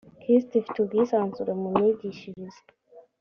kist ifite ubwisanzure mu myigishirize